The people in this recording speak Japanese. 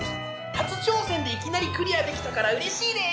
初挑戦でいきなりクリアできたからうれしいです！